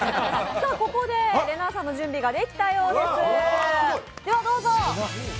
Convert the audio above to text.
ここでれなぁさんの準備ができたようです。